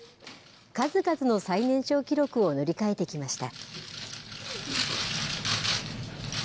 数々の最年少記録を塗り替えてきました。